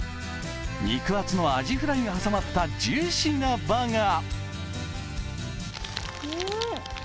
肉厚のアジフライが挟まったジューシーなバーガー。